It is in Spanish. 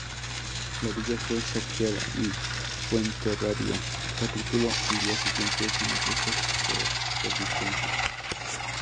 La villa fue saqueada y Fuenterrabía capituló al día siguiente sin ofrecer resistencia.